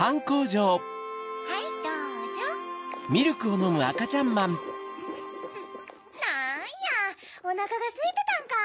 ・はいどうぞ・なんやおなかがすいてたんか。